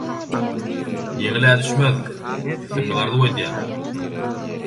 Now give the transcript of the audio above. Ýeňil-ä düşmez, üstünlik arzuw edýän